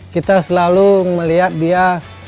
kita selalu melihat dia